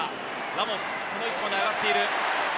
ラモス、この位置まで上がっている。